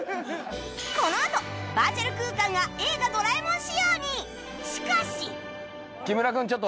このあとバーチャル空間が『映画ドラえもん』仕様に！